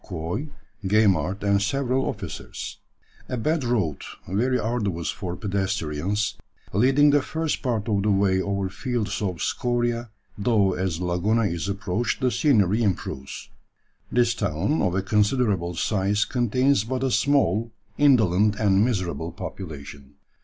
Quoy, Gaimard, and several officers, a bad road, very arduous for pedestrians, leading the first part of the way over fields of scoria, though as Laguna is approached the scenery improves. This town, of a considerable size, contains but a small, indolent, and miserable population.